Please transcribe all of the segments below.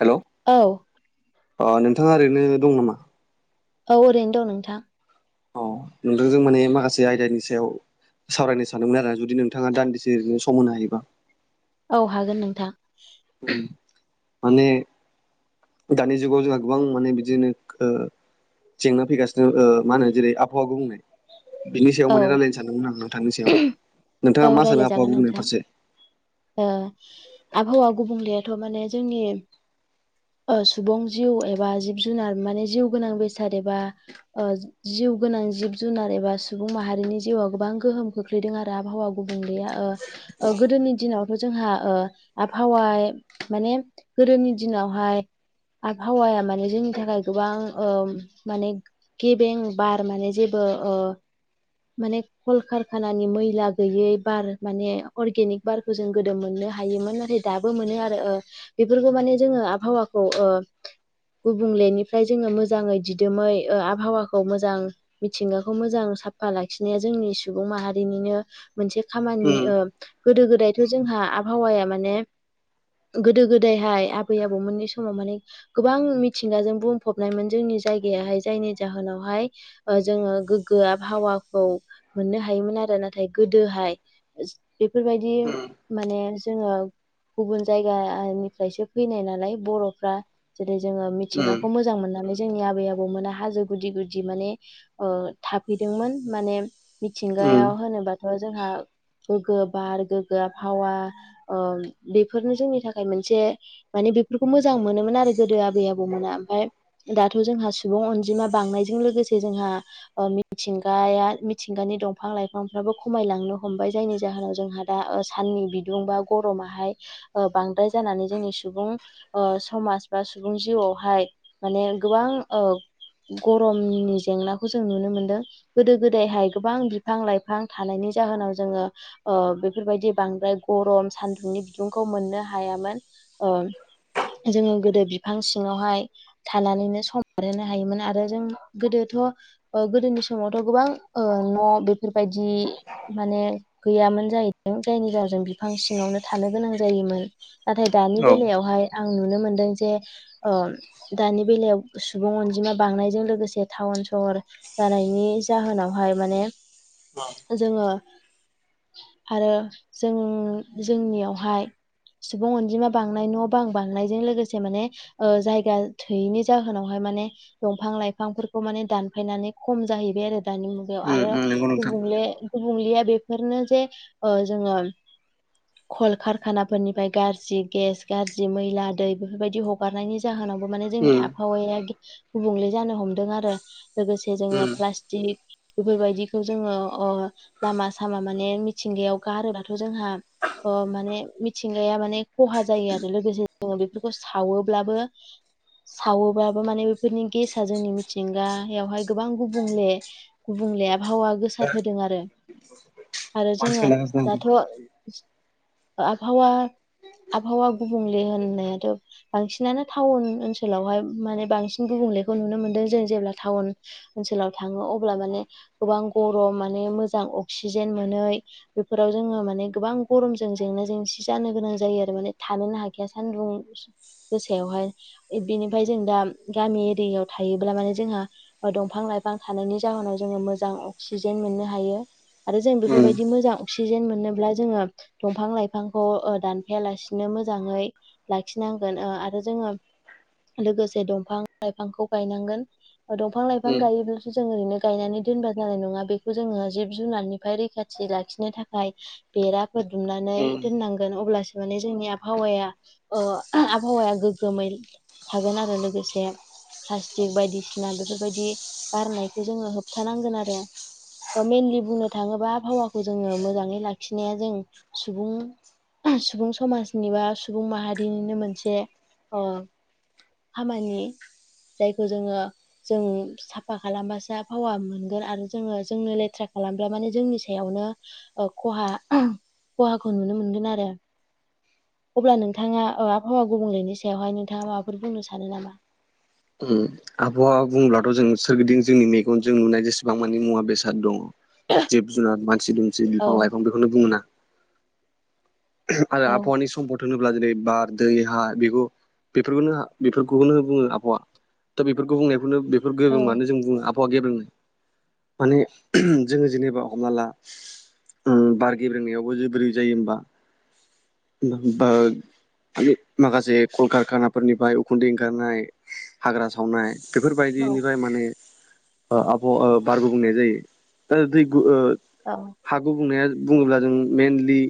Hello औ। नोंथाङा ओरैनो दं नामा? औ ओरैनो दं नोंथां। औ नोंथांजों माने माखासे आयदानि सायाव सावरायनो सानदोंमोन आरो जुदि नोंथाङा दान्दिसे ओरैनो सम होनो हायोबा। औ हागोन नोंथां। माने दानि जुगाव जोंहा गोबां माने बिदिनो ओ जेंना फैगासिनो ओ मा होनो जेरै आबहावा गुबुंनाय बिनि सायाव औ माने रायलायनो सानदोंमोन आं नोंथांनि सायाव औ नोंथाङा मा सानो आबहावा रायलायजागोन गुबुंनायनि नोंथां फारसे? ओ आबहावा गुबुंलेयाथ' माने जोंनि सुबुं जिउ एबा जिब जुनार माने जिउ गोनां बेसाद एबा जि जिउ गोनां जिब जुनार एबा सुबुं माहारिनि जिउआव गोबां गोहोम खोख्लैदों आरो आबहावा गुबुंलेया गोदोनि दिनावथ' जों जोंहा आबहावाय माने गोदोनि दिनावहाय आबहावाया माने जोंनि थाखाय गोबां माने गेबें बार माने जेबो ओ ओ [inaudible] माने कलकारखानानि मैला गैयै बार माने अर्गेनिक बारखौ जों गोदो मोननो हायो नाथाय दाबो मोनो आरो बेफोरखौ माने जोंङो आबहावाखौ ओ गुबुंलेनिफ्राय जोंङो मोजाङै दिदोमै ओ आबहावाखौ मोजां मिथिंगाखौ मोजां सा हाफा लाखिनाया जोंनि सुबुं माहारिनिनो मोनसे खामानि उम ओ गोदो गोदायथ' जोंहा आबहावाया माने गोदो गोदायहाय आबै आबौमोननि समाव माने गोबां मिथिंगाजों बुंफबनायमोन जोंनि जायगायाहाय जायनि जाहोनावहाय ओ जोङो गोगो आ हावाखौ मोननो हायोमोन आरो नाथाय गोदोहाय बेफोरबायदि माने जोंङो गुबुन जायगानिफ्रायसो फैनाय नालाय बर'फ्रा ज जोंङो उम मिथिंगाखौ मोजां मोननानै जोंनि आबै आबौमोना हाजो गुदि गुदि माने था हैैदोंमोन माने उम मिथिंगायाव होनोबाथ' जोंहा गो गो बार गोग्गो आबहावा बेफोरनो जोंनि थाखाय मोनसे माने बेफोरखौ मोजां मोनोमोन आरो गोदो आबै आबौमोना ओमफफ्राय दाथ' जोंहा सुबुं अनजिमा बांनायजों लोगोसे जोंहा ओ मि थिंगाया मिथिंगानि दंफां लाइफांफ्राबो खमायलांनो हमबाय जायनि जाहोनाव जोंहा दा ओ नि बिदुं बा गरमाहाय बांद्राय जानानै जोंनि सुबुं ओ समाज बा सु सुबुं जिउआवहाय माने गोबां गरमनि जेंनाखौ जों नुनो मोनदों। गोदो गोदायहाय गोबां बिफां लाइफां थानायनि जाहोनाव जोङो बेफोरबायदि बां मफ्राय गरम सान्दुंनि बिदुंखौ मोननो हायामोन। जोंङो गोदो बिफां सिङावहाय थानानैनो सम बारहोनो हायोमोन आरो जों गोदो। गोदोनि समाव समावथ' गोबां न' बेफोरबायदि माने गैयामोन जाहैदों जायनि जाहोनाव। जों बिफां सिङांवनो थानो गोनां जायोमोन नाथाय दानि औ बेलायावहाय। आं नुनो मोनदों जे दानि बेलायाव सुबुं अनजिमा बांनायजों लोगोसे थावन। सहर जानायनि जाहोनावहाय माने जोंङो। आरो जों जोंनि यावहाय। सुबुं अनजिमा बांनाय न' बां बांनायजों लोगोसे माने जायगा थोयैनि जाहोनावहाय। माने दंफां लाइफांफोरखौ माने दानफायनानै। खम जाहैबाय आरो दानि मुगायाव उम आरो उम नंगौ नोंथां गुबुंले। गुबुंलेया बेफोरनो जे जोंङो। कलकारखानाफोरनिफ्राय गाज्रि गेस गाज्रि मैला दै बेफोरबायदि हगारनायनि जाहोनाव। माने जोंनि उम आबहावाया गुबुंले जानो हमदों आरो लोगोसे जोंङो उम प्लास्टिक। बेफोरबायदिखौ जोंङो अ लामा सामा माने मिथिंगायाव गारोबाथ' जोंहा। अ माने मिथिंगाया माने खहा जायो आरो लोगोसे। जोङो बेफोरखौ सावोब्लाबो। सावोबबो माने बेफोरनि गेस जोंनि मिथिंगायावहाय। गोबां गुबुंले गुबुंले आबहावा गोसार होदों आरो। आरो जोङो मानसिखौ लागासिनो दाथ' आंथ' आबहावा। आबाहावा गुबुंले होननायाथ' बांसिनानो टाउन ओनसोलावहाय माने बांसिन गुब गुबुंलेखौ नु मोनदों जों जेब्ला टाउन। ओनसोलाव थांङो अब्ला माने गोबां गरम माने मोजां अक्सिजेन मोनै। बेफोराव जोंङो माने गोबां गरमजों जेंना जेंसि जानो गोनां जायो आरो माने थानोनो हाखाया सान्दुं गोसायावहाय बिनिफ्राय जों दा गामि एरियायाव थायोब्ला माने जोंहा। दंफां लाइफां थानायनि जाहोनाव जोंङो मोजां अक्सिजेन मोननो हायो। आरो जों बेफोरबायदि उम मोजां। अक्सिजेन मोनोब्ला जोङो दंफां लाइफांखौ दानफायालासिनो मोजाङै लाखिनो। आरो जोङो लोगोसे दंफां लाइफांखौ गायनांगोन। बिफां-लाइफां उम गायोबा। जों ओरैनो गायनानै दोनबा जानाय नङा बेखौ जोङो जिब जुनारनिफ्राय रैखाथि लाखिनो थाखाय। बेराफोर दुमनानै उम दोननांगोन अब्लासो माने जोंनि आबहावाया आबहावाया। गोगोमै हागोन आरो लोगोसे प्लासटिक बायदिसिना। बेफोरबायदि गारनायखौ जोङो होबथानांगोन आरो। मेनलि बुंनो थाङोबा आबहावाखौ जोङो मोजाङै लाखिनाया जों सुबुं। सुबुं समाजनि बा सुबुं माहारिनिनो मोनसे। खामानि जायखौ जोङो। जों साफा खालामबासो आबहावा मोनगोन आरो जोङो जोंनो लेथ्रा खालामब्ला माने जोंनि सायाव। खहा खहाखौ नुनो मोनगोन आरो। अब्ला नोंथाङा आबहावा गुबुंलेनि सायावहाय नोंथाङा माबाफोर बुंनो सानो नामा। उ आबहावा बुंब्लाथ' जों सोरगिदिं जोंनि मेगनजों नुनाय जेसेबां मानि मुवा बेसाद दङ। जिब जुनार मानसि दुमसि औ बिफां लाइफां बेखौनो बुङोना। आरो औ आबहावानि सम्पद। होनोब्ला जेरै बार दै हा बेखौ बेफोरखौनो बेफोरखौनो बुङो आबहावा। दा बेफोरखौ बुंनायखौनो बेफोर औ गोब्रोङानो जों बुङो आबहावा गेब्रेनाय। माने जोङो जेनेबा हमना ला। बार गेब्रेंनायावबो जे बोरै जायो होमबा। बार माखासे कलकारखानाफोरनिफ्राय उखुन्दै ओंखारनाय हाग्रा सावनाय। औ बेफोरबायदिनिफ्राय माने आबहावा बार गुबुंनाय जायो दा दै। औ हा गुबुंनाया बुङोब्ला जों मेनलि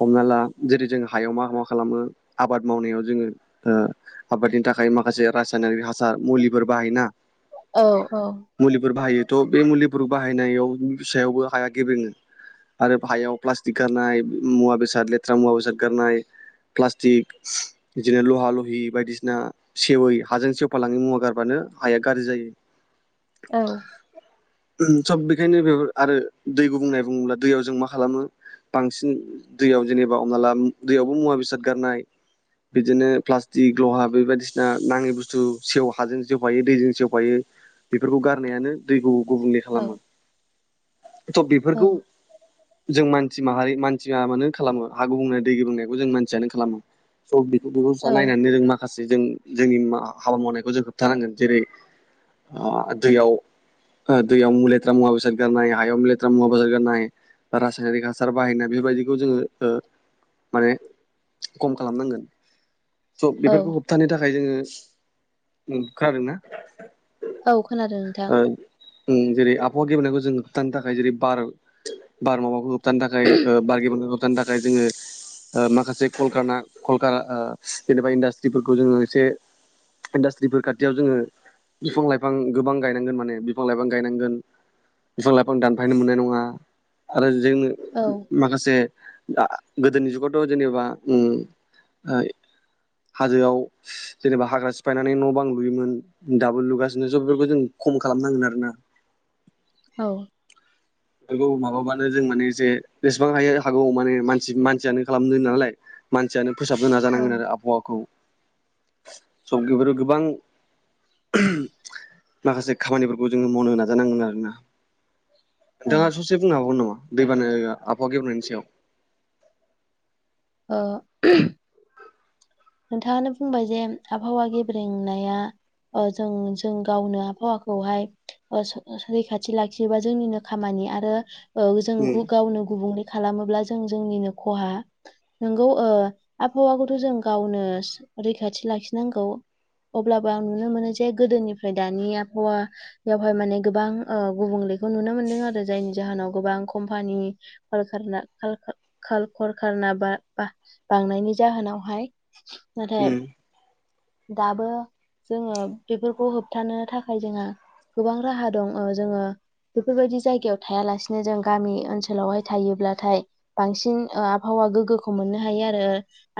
हमना ला जेरै जोंङो हायाव मा मा खालामो आबाद मावनायाव जोङो ओ आबादनि थाखाय माखासे रासायनारि हास सार मुलिफोर बाहायोना औ औ मुलिफोर बाहायो। थ' बे मुलिफोरखौ बाहायनायाव फिसायावबो हाया गेब्रेङो। आरो हायाव प्लास्टिक गारनाय मुवा बेसाद लेथ्रा मुवा बेसाद गारनाय प्लास्टिक इदिनो लहा लहि बायदिसिना सेवै हाजों सेवफालाङि मुवा गारबानो हाया गारजि जायो। औ। उम सब बेखायनो बेबो आरो दै गुबुंनाय बुङोब्ला दैयाव जों मा खालामो बांसिन दैयाव जेनेबा हमना ला दैयावबो मुवा बेसाद गारनाय बिदिनो प्लास्टिक लहा बे बायदिसिना नाङै बुस्थु सेव हाजों सेवफायो दैजों सेवफायो बेफोरखौ गारनायानो दैखौ गुबुंले औ खालामो थ' बेफोरखौ जों मानसि माहारि मानसिया मानो खालामो? हा गुबुंनाय दै बुंनायखौ जों मानसियानो खालामो। स' बेखौ औ [unintelligible] नायनानै जों माखासे जों जोंनि हाबा मावनायखौ जों होबथानांगोन। जेरै हा दैयाव ओ दैयाव मु लेथ्रा मुवा बेसाद गारनाय हायाव लेथ्रा मुवा बेसाद गारनाय बा रासायनिक हासार बाहायनाय बेफोरबायदिखौ जोङो ओ माने खम खालामनांगोन। स' औ बेफोरखौ होबथानो थाखाय जोङो उम। खोनादोंना? औ खोनादों ओ नोंथां। उम जेरै आबहावा गेब्रेनायखौ जों होबथानो थाखाय जेरै बार बार माबाखौ होब थानो थाखाय ओ बार गेब्रेंनायखौ होबथानो थाखाय जोङो ओ माखासे कलकाना कलका ओ जेनेबा इन्डास्ट्रिफोरखौ जोङो एसे इन्डास्ट्रिफोर खाथियाव जोङो बिफां लाइफां गोबां गायनांगोन माने बिफां लाइफां गायनांगोन। बिफां-लाइफां दानफायनो मोननाय नङा आरो जोंनो औ माखासे दा गोदोनि जुगावथ' जेनेबा उम ओइ हाजोआव जेनेबा हाग्रा सिफायनानै न' बां लुयोमोन दाबो लुगासिनो स' बेफोरखौ जों खम खालामनांगोन आरोना। औ बेखौ माबाबानो जों माने जे बेसेबां हायो हागौ माने मानसि मानसियानो खालामदों नालाय। मानसियानो फोसाबनो औ नाजानांगोन आरो आबहावाखौ। स बेफोर गोबां [unintelligible] माखासे खामानिफोरखौ जोङो मावनो नाजानांगोन आरोना। औ नोंथाङा ससे बुंनो हाबावगोन नामा दैबाना आबहावा गेब्रेंनायनि सायाव? ओ [unintelligible] नोंथाङानो बुंबाय जे आबहावा गेब्रेंनाया ओ जों जों गावनो आबहावाखौहाय ओ सै रैखाथि लाखियोबा जोंनिनो खामान नि आरो ओ जों गु गावनो गुबुंले खालामोब्ला जों जोंनिनो ख'हा। नोंगौ ओ आबहावाखौथ' जों गावनो रैखाथि लाखिनांगौ। अब्लाबो आं नुनो मोनो जे गोदोनिफ्राय दानि आबहावा यावहाय माने गोबां ओ गुबुंले बो नुनो मोनदों आरो जायनि जाहोनाव गोबां कम्पानि [unintelligible] काल कर खाना‌ बा बा बा बांनायनि जाहोनावहाय नाथाय उम दाबो जोङो बेफोरखौ होबथानो थाखाय जोंआ गोबां राहा दं। ओ जोङो बेफोरबायदि जायगायाव थायालासिनो जों गामि ओनसोलावहाय थायोब्लाथाय बांसिन ओ आबहाव बा गोगोखौ मोननो हायो आरो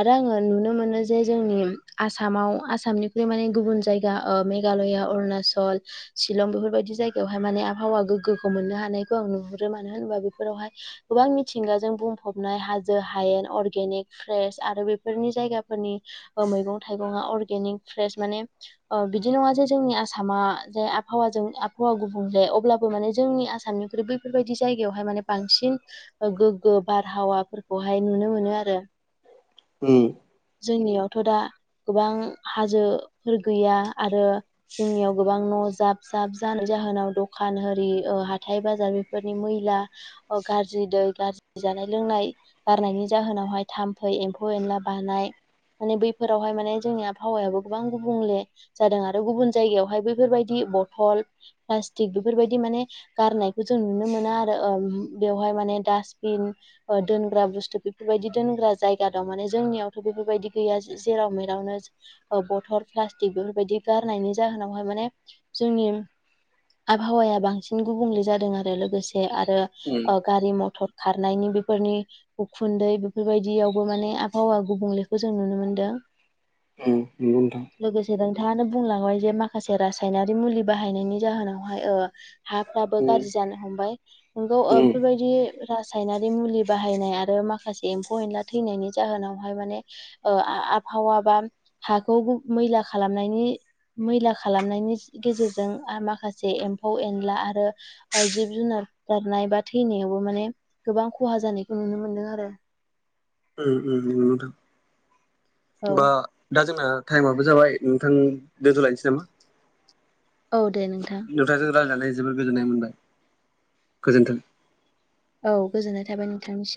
आरो आङो नुनो [inaudible] मोनो जे जोंनि आसामाव आसामनिख्रुइ माने गुबुन जायगा ओ मेघालया उरुणाचल शिलं बेफोरबायदि जायगायावहाय माने आबहावा गोग्गोखौ मोननो हानायखौ आं नुहुरो मानो होनोबा बेफोरावहाय गोबां मिथिंगाजों बुंफबनाय हाजो हायेन अर्गेनिक फ्रेस आरो बे फोरनि जायगाफोरनि ओ मैगं-थाइगंआ अर्गेनिक फ्रेस माने ओ बिदि नङा जे जोंनि आ सामा जे आबहावाजों आबहावा गुबुंले अब्लाबो माने जोंनि आसामनिख्रुइ बैफोरबायदि जायगायावहाय माने बांसिन गोग्गो बारहावाफोरखौहाय नुनो मोनो आरो औ [inaudible] ओम जोंनियावथ' दा गोबां हाजोफोर गैया आरो जोंनियाव गोबां न' जाब जाब जानायनि जाहोनाव दखान होरि ओ हाथाइ बाजार बेफोरनि मैला गारजि दै गारजि जानाय-लोंनाय गारनायनि जाहोनावहाय थाम्फै एम्फौ एनला बानाय माने बैफोरावहाय माने जोंनि आबहावायाबो गोबां गुबुंले जादों आरो गुबुन जायगायावहाय बैफोरबायदि बथल, प्लासटिक बेफोरबादि माने गारनायखौ जों नुनो मोना आरो ओ बेवहाय माने दास्टबिन ओ दोनग्रा बुस्थु बेफोरबायदि दोनग्रा जायगा दं माने जों जोंनियावथ' बेफोरबायदि गैया जेराव मेरावनो ओ बथल प्लास्टिक बेफोरबायदि गारनायनि जाहोन हाय माने जोंनि आबहावाया बांसिन गुबुंले जादों आरो लोगोसे आरो उम ओ ओ गारि मथर खारनायनि बेफोरनि उखुन्दै बेफोरबायदियावबो माने हावा गुबुंलेखौ जों नुनो मोनदों। ओम नंगौ नोंथां। लोगोसे नोंथाङानो बुंलांबाय जे माखासे रासायनारि मुलि बाहायनायनि जाहोनावहाय हाफ्राबो उम गाज्रि जानो हमबाय नोंगौ ओ उम बेफोरबायदि रासायनारि मुलि बाहायनाय आरो माखासे एम्फौ-एनला थैनायनि जाहोनावहाय माने ओ आ आबहावा बा हाखौ मैला खालामनायनि मैला खालामनायनि गेजेरजों माखासे एम्फौ-एनला आरो जिब-जुनार गारनाय बा थैनायावबो माने गोबां खहा जानायखौ नुनो मोनदों आरो उम उम नंगौ औ नोंथां दा‌ जोंना टाइम आबो जाबाय नोंथां दोनथ'लायनोसै नामा? औ दे नोंथां नोंथांजों रायज्लायनानै जोबोर गोजोननाय मोनबाय गोजोन्थों। औ गोजोननाय थाबाय नोंथांनिसिम।